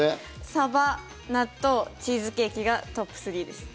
サバ、納豆チーズケーキがトップ３です。